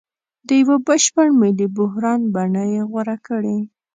د یوه بشپړ ملي بحران بڼه یې غوره کړې.